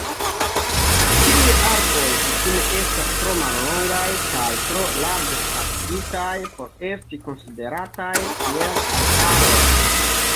Tiuj arboj kutime estas tro mallongaj kaj tro larĝ-spacigitaj por esti konsiderataj kiel arbaroj.